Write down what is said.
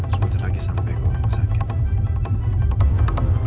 sebetulnya lagi sampai gue sakit